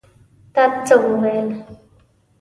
تا څه وویل?